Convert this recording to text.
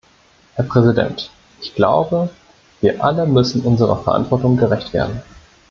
Herr Präsident! Ich glaube, wir alle müssen unserer Verantwortung gerecht werden.